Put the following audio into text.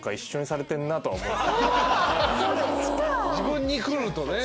自分に来るとね。